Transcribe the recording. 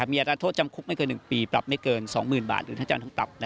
มีอัตราโทษจำคุกไม่เกิน๑ปีปรับไม่เกิน๒๐๐๐บาทหรือทั้งจำทั้งปรับ